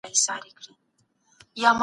سرلوړي یوازي د حق په پلوي کي ده.